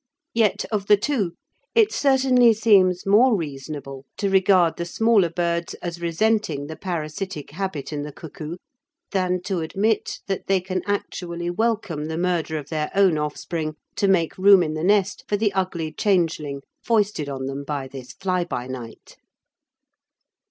Yet, of the two, it certainly seems more reasonable to regard the smaller birds as resenting the parasitic habit in the cuckoo than to admit that they can actually welcome the murder of their own offspring to make room in the nest for the ugly changeling foisted on them by this fly by night.